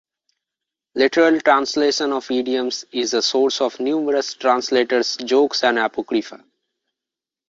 Literal translation of idioms is a source of numerous translators' jokes and apocrypha.